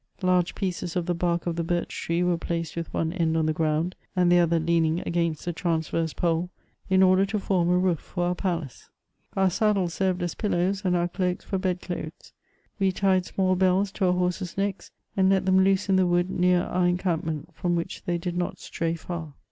Large pieces of the bark of the birch tree were placed with one end on uie g^und, and the other leaning against the transverse pole, in order to form a roof for our palace. Our saddles served as pillows, and our cloaks for bed clothes. We tied small bells to our horses' necks, and let them loose in the wood near our encampment^ from which they did not stray far.